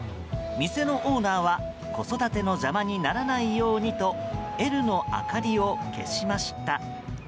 店のオーナーは子育ての邪魔にならないようにと「Ｌ」の明かりを消しました。